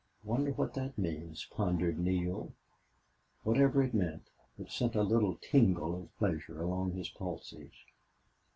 "Wonder what that means?" pondered Neale. Whatever it meant, it sent a little tingle of pleasure along his pulses.